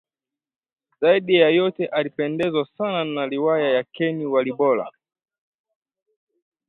Zaidi ya yote alipendezwa sana na riwaya za Ken Walibora